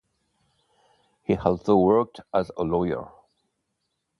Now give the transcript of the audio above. He also worked as a lawyer.